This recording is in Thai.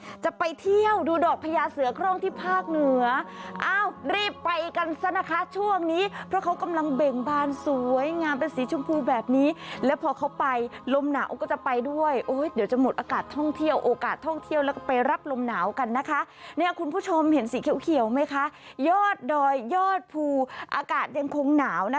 จะไปเที่ยวดูดอกพญาเสือโครงที่ภาคเหนืออ้าวรีบไปกันซะนะคะช่วงนี้เพราะเขากำลังเบ่งบานสวยงามเป็นสีชมพูแบบนี้แล้วพอเขาไปลมหนาวก็จะไปด้วยโอ้ยเดี๋ยวจะหมดอากาศท่องเที่ยวโอกาสท่องเที่ยวแล้วก็ไปรับลมหนาวกันนะคะเนี่ยคุณผู้ชมเห็นสีเขียวเขียวไหมคะยอดดอยยอดภูอากาศยังคงหนาวนะ